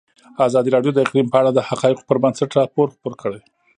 ازادي راډیو د اقلیم په اړه د حقایقو پر بنسټ راپور خپور کړی.